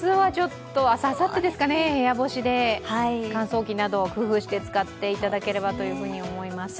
明日、あさっては部屋干しで、乾燥機などを工夫して使っていただければと思います。